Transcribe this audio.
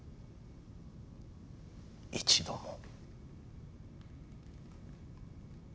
一度も。